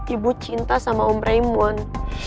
ibu cinta sama om raimun